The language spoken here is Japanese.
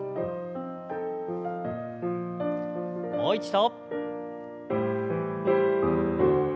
もう一度。